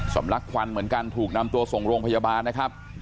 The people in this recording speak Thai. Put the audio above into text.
ลักควันเหมือนกันถูกนำตัวส่งโรงพยาบาลนะครับ